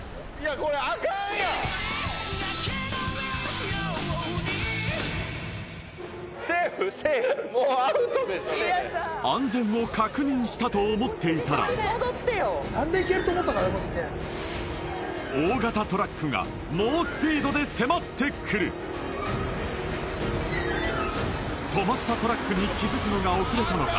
これ安全を確認したと思っていたら大型トラックが猛スピードで迫ってくる止まったトラックに気付くのが遅れたのか